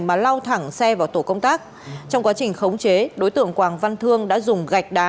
mà lao thẳng xe vào tổ công tác trong quá trình khống chế đối tượng quảng văn thương đã dùng gạch đá